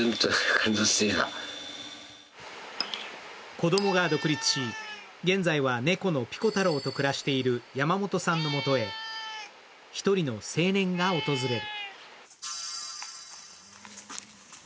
子供が独立し現在は猫のピコ太郎と暮らしている山本さんのもとへ一人の青年が訪れる。